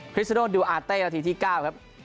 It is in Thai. คริสโน่ดิวอาร์เต้หน้าทีที่๙ครับ